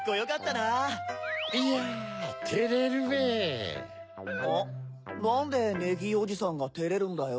なんでネギーおじさんがてれるんだよ？